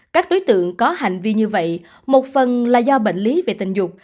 các đối tượng có hành vi như vậy một phần là do bệnh lý về tình dục